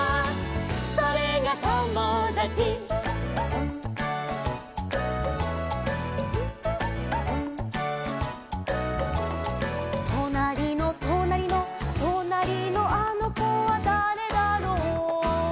「それがともだち」「となりのとなりの」「となりのあのこはだれだろう」